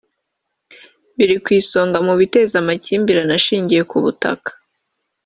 biri ku isonga mu biteza amakimbirane ashingiye ku butaka